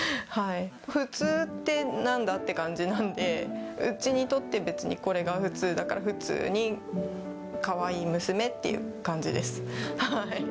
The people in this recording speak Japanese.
普通ってなんだって感じなので、うちにとって、別にこれが普通だから、普通にかわいい娘っていう感じです。